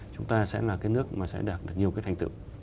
chúng ta sẽ là cái nước mà sẽ đạt được nhiều cái thành tựu